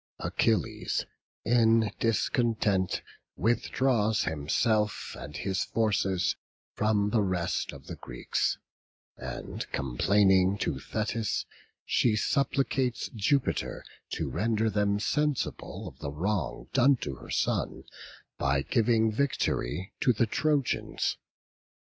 Achilles in discontent withdraws himself and his forces from the rest of the Greeks; and complaining to Thetis, she supplicates Jupiter to render them sensible of the wrong done to her son, by giving victory to the Trojans.